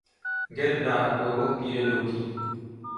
گەرم داهاتووە وەک پیرە لۆکی